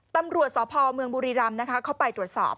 ตำรวจสพเมืองบุรีรำเข้าไปตรวจสอบ